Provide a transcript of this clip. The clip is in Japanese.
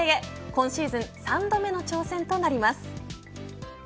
今シーズン３度目の挑戦となります。